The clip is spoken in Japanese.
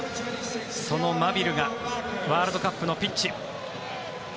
そのマビルがワールドカップのピッチ。